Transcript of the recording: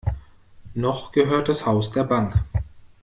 Noch gehört das Haus der Bank.